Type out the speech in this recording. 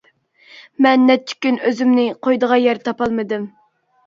مەن نەچچە كۈن ئۆزۈمنى قويىدىغان يەر تاپالمىدىم.